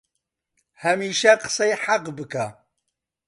هەمیشە قسەی حەق بکە